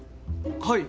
はい。